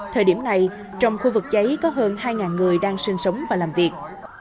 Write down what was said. thời điểm này trong khu vực cháy có hơn hai người đang sinh sống và làm việc